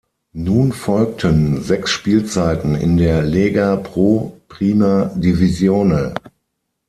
Nun folgten sechs Spielzeiten in der Lega Pro Prima Divisione.